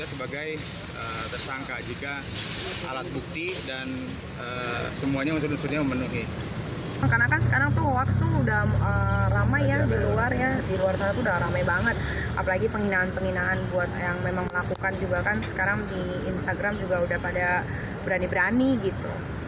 apalagi penghinaan penghinaan buat yang memang melakukan juga kan sekarang di instagram juga udah pada berani berani gitu